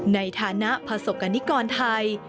ในฐานะประสบกรณิกรไทย